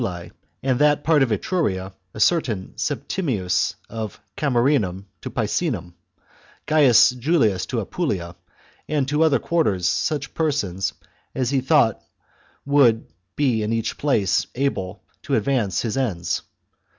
lae and that part of Etruria, a certain Septimius of Camerinum to Picenum, Gaius Julius to Apulia, and to other quarters such persons as he thought would in each place be able to advance his ends.